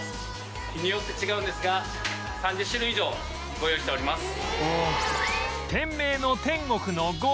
日によって違うんですが３０種類以上ご用意しております。